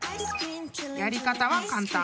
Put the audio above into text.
［やり方は簡単。